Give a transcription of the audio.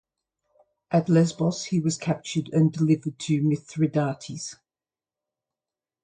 At Lesbos he was captured and delivered to Mithridates.